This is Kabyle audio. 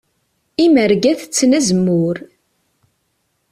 Imerga tetten azemmur.